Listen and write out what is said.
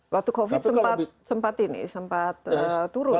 waktu covid sempat ini sempat turun